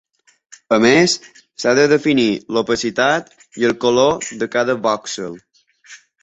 A més, s'ha de definir l'opacitat i el color de cada vòxel.